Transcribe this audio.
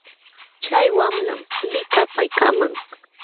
Chay wamlam likapaaykaaman.